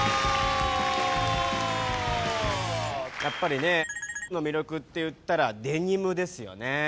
「やっぱりね○○の魅力っていったらデニムですよね」